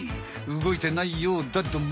動いてないようだども。